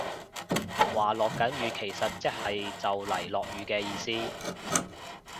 話落緊雨其實即係就嚟落雨嘅意思